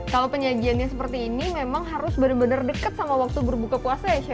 kalau penyajiannya seperti ini memang harus benar benar dekat sama waktu berbuka puasa ya chef